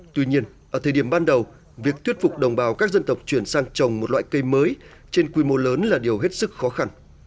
tuy nhiên ở thời điểm ban đầu việc thuyết phục đồng bào các dân tộc chuyển sang trồng một loại cây mới trên quy mô lớn là điều hết sức khó khăn